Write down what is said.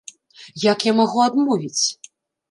Як я магу адмовіць?